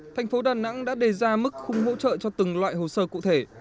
thành phố đà nẵng đã đề ra mức khung hỗ trợ cho từng loại hồ sơ cụ thể